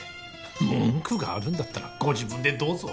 文句があるんだったらご自分でどうぞ。